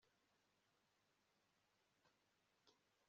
ubwo mwimikaga abimeleki ho umwami